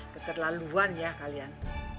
keterlaluan ya kalian